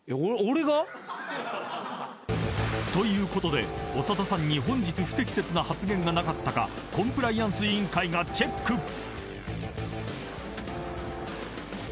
俺が⁉［ということで長田さんに本日不適切な発言がなかったかコンプライアンス委員会がチェック］